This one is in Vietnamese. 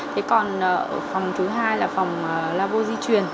thế còn phòng thứ hai là phòng labo di chuyển